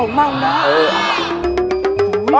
โอ้โหแม่เงียบมาก